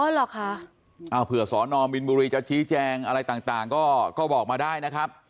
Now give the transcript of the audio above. อ๋อหรอค่ะอ้าวเผื่อสอนอมบิลบุรีเจ้าชี้แจงอะไรต่างต่างก็ก็บอกมาได้นะครับ